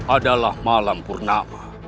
adalah malam purnama